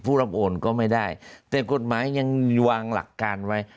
รับโอนก็ไม่ได้แต่กฎหมายยังวางหลักการไว้